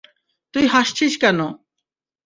তুই হাসছিস কেন?